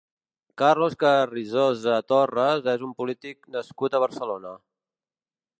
Carlos Carrizosa Torres és un polític nascut a Barcelona.